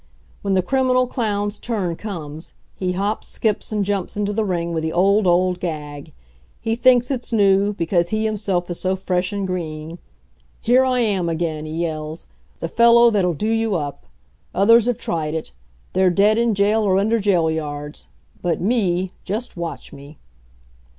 When the criminal clown's turn comes, he hops, skips and jumps into the ring with the old, old gag. He thinks it's new, because he himself is so fresh and green. 'Here I am again,' he yells, 'the fellow that'll do you up. Others have tried it. They're dead in jail or under jail yards. But me just watch me!'